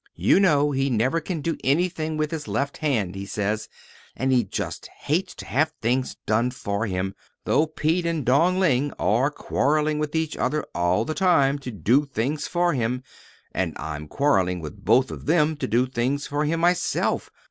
You know he never can do anything with his left hand, he says, and he just hates to have things done for him though Pete and Dong Ling are quarreling with each other all the time to do things for him, and I'm quarreling with both of them to do them for him myself!